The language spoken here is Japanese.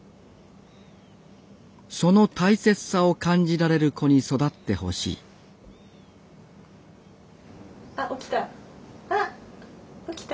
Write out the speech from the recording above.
その大切さを感じられる子に育ってほしいあっ起きた。